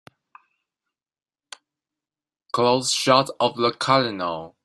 Close shot of the COLONEL.